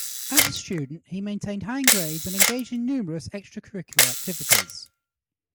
As a student, he maintained high grades and engaged in numerous extracurricular activities.